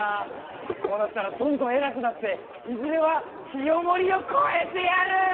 こうなったらどんどん偉くなっていずれは清盛を超えてやる！